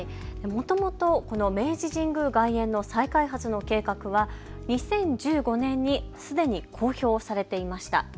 もともとこの明治神宮外苑の再開発の計画は２０１５年にすでに公表されていました。